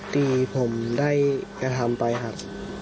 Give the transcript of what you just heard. ที่ผมได้กระทำไปครับ